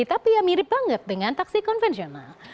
tapi ya mirip banget dengan taksi konvensional